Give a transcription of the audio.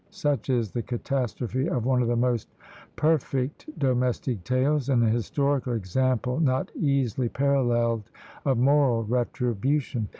Such is the catastrophe of one of the most perfect domestic tales; an historical example, not easily paralleled, of moral retribution.